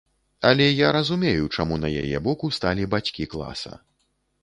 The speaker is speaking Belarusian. Але я разумею, чаму на яе бок усталі бацькі класа.